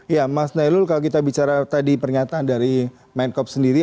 ya mas nailul kalau kita bicara tadi pernyataan dari menkop sendiri